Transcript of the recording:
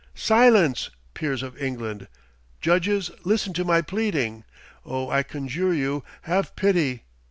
Silence, Peers of England! Judges, listen to my pleading! Oh, I conjure you, have pity.